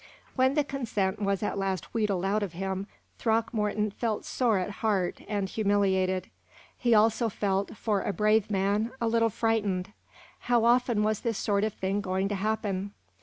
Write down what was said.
When the consent was at last wheedled out of him, Throckmorton felt sore at heart and humiliated. He also felt, for a brave man, a little frightened. How often was this sort of thing going to happen?